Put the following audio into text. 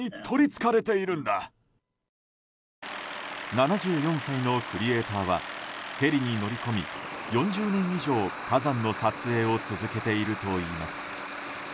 ７４歳のクリエーターはヘリに乗り込み４０年以上、火山の撮影を続けているといいます。